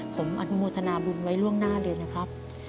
ผมอนุโมทนาบุญไว้ล่วงหน้าเลยนะครับ